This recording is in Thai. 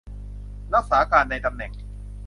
รักษาการในตำแหน่ง